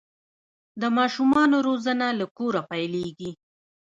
د ماشومانو روزنه له کوره پیلیږي.